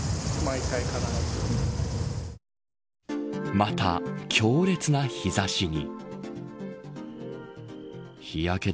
また、強烈な日差しに。